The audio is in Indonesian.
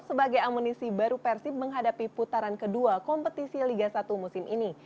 sebagai amunisi baru persib menghadapi putaran kedua kompetisi liga satu musim ini